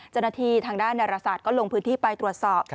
จนาฐีทางด้านดาราศาสตร์ก็ลงพื้นที่ไปตรวจสอบ